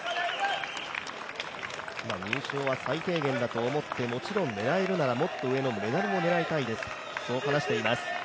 今、入賞は最低限だと思ってもちろん狙えるならもっと上のメダルも狙いたいですと話しています。